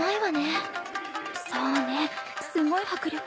そうねすごい迫力。